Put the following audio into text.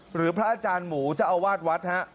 หรือพระอาจารย์หมูจะเอาวาดวัด